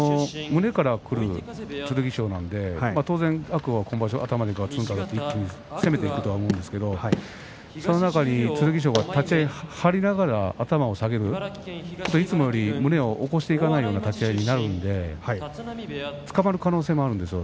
胸からくる剣翔なので当然、天空海は今場所は頭でガツンとあたって攻めていくと思うんですけれどその中で剣翔が立ち合い張りながら頭を下げるいつもより胸を起こしていかないような立ち合いになるのでつかまる可能性もあるんですよ